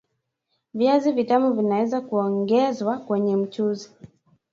Viazi vitamu vinaweza Kuongezwa kwenye mchuzi